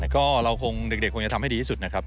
ก็เราคงเด็กคงจะทำให้ดีที่สุดนะครับ